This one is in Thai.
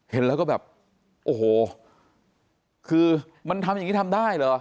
เห็นแล้วก็แบบโอ้โหคือมันทำอย่างนี้ทำได้เหรอ